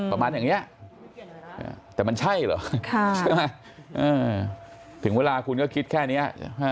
ประมาณอย่างนี้แต่มันใช่เหรอใช่ไหมถึงเวลาคุณก็คิดแค่นี้